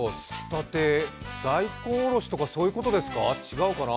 大根おろしとか、そういうことですか、違うかな？